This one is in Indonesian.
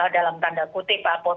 dalam tanda kutip